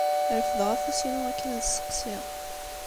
Refdeɣ afus-inu akken ad sseqsiɣ.